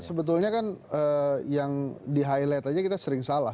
sebetulnya kan yang di highlight aja kita sering salah